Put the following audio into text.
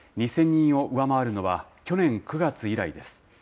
２０００人を上回るのは、去年９月以来です。